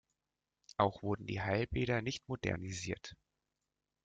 Auch wurden die Heilbäder nicht modernisiert.